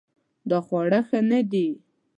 دا خواړه ښه نه دي